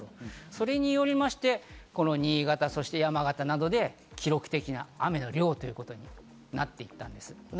それによりまして、この新潟、そして山形などで記録的な雨の量ということになっていったんです。